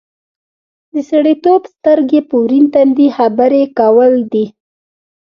د سړیتوب سترګې په ورین تندي خبرې کول دي.